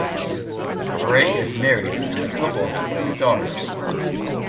Frye is married and the couple have two daughters.